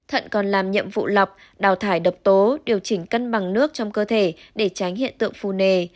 thận còn làm nhiệm vụ lọc đào thải độc tố điều chỉnh cân bằng nước trong cơ thể để tránh hiện tượng phù nề